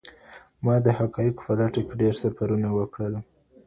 ما د حقایقو په لټه کي ډېر سفرونه وکړل.